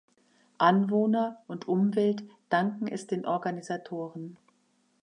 Anwohner und Umwelt danken es den Organisatoren.